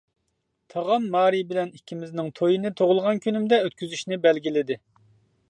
تاغام مارى بىلەن ئىككىمىزنىڭ تويىنى تۇغۇلغان كۈنۈمدە ئۆتكۈزۈشنى بەلگىلىدى.